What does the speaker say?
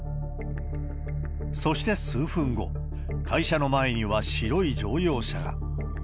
そして数分後、会社の前には白い乗用車が。